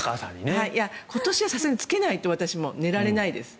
今年はさすがにつけないと寝られないです。